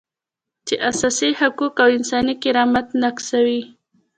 چې اساسي حقوق او انساني کرامت نقضوي.